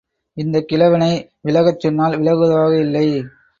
இந்தக்கிழவனை விலகச் சொன்னால் விலகுவதாக இல்லை.